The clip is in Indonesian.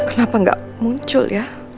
kenapa gak muncul ya